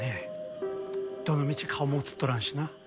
どのみち顔も映っとらんしな。